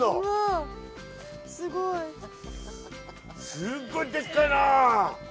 ・すっごいでっかいな！